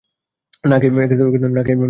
না খেয়ে মরছি, সাহেব।